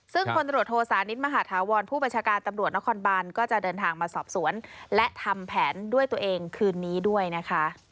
ซึ่งคนตรวจโทสานิทมหาธาวรผู้บัญชาการตำรวจนครบานก็จะเดินทางมาสอบสวนและทำแผนด้วยตัวเองคืนนี้ด้วยนะคะ